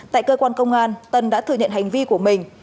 tại cơ quan công an tân đã thừa nhận hành vi của mình